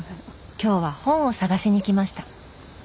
今日は本を探しに来ました